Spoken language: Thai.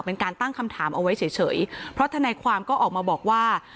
เป็นการตั้งคำถามเอาไว้เฉยเพราะทนายความก็ออกมาบอกว่า